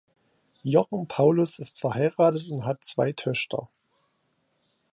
Jochen Paulus ist verheiratet und hat zwei Töchter.